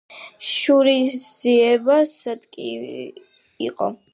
შურისძიება სასტიკი იყო.